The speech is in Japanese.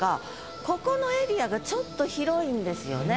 ここのエリアがちょっと広いんですよね。